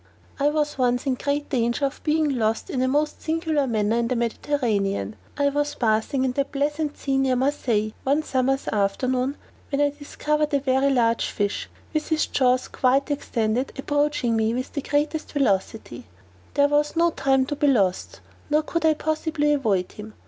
_ I was once in great danger of being lost in a most singular manner in the Mediterranean: I was bathing in that pleasant sea near Marseilles one summer's afternoon, when I discovered a very large fish, with his jaws quite extended, approaching me with the greatest velocity; there was no time to be lost, nor could I possibly avoid him.